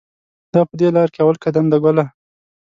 دا په دې لار کې اول قدم دی ګله.